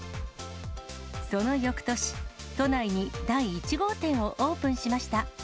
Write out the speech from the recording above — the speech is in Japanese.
そのよくとし、都内に第１号店をオープンしました。